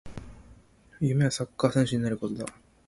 夢はサッカー選手になることだ